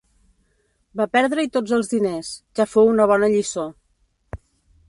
Va perdre-hi tots els diners: ja fou una bona lliçó.